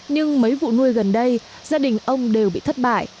nhưng mấy vụ nuôi gần đây gia đình ông đều bị thất bại